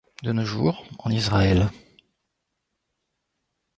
De nos jours, en Israël.